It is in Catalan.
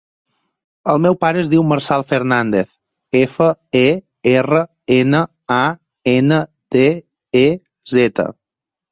El meu pare es diu Marçal Fernandez: efa, e, erra, ena, a, ena, de, e, zeta.